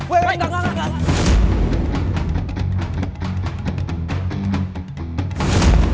wih jangan jangan jangan